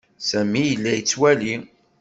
Sami yella yettwali.